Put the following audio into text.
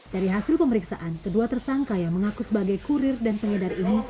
dari hasil pemeriksaan kedua tersangka yang mengaku sebagai kurir dan pengedar ini